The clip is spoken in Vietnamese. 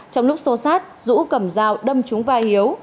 trong lúc xô sát dũ cầm dao đâm chúng vai hiếu